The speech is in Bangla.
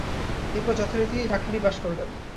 এরপর যথারীতি ডাক্তারি পাস করলেন।